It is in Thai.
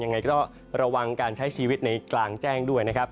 ยังไงก็ระวังการใช้ชีวิตในกลางแจ้งด้วยนะครับ